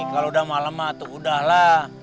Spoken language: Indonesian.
kalau udah malam atau udahlah